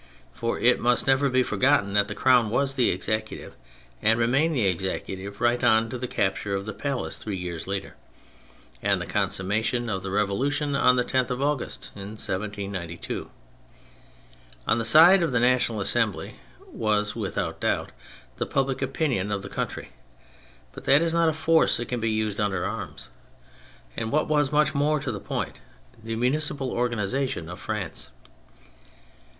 For it must never be forgotten that the Crown was the Executive, and remained the Executive right on to the capture of the palace three years later, and tne consummation of the Revolution on the 10th of August, 1792. On the side of the National Assembly was without doubt the public opinion of the country (but that is not a force that can be used under arms), and, what was much more to the point, the municipal organisation of France.